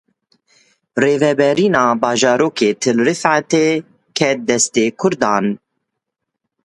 Rêvebirina bajarokê Til Rifetê ket destê kurdan.